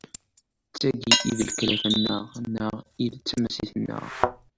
D tagi i d lkalafa-nneɣ neɣ i d tamasit-nneɣ.